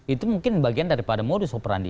itu mungkin bagian daripada modus operandi